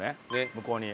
向こうに。